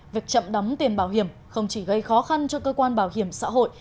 việc chậm đóng tiền bảo hiểm không chỉ gây khó khăn cho cơ quan bảo hiểm xã hội